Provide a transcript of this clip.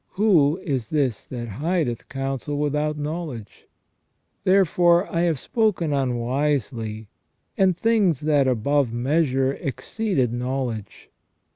Who is this that hideth counsel without knowledge ? Therefore I have spoken unwisely, and things that above measure exceeded know ledge.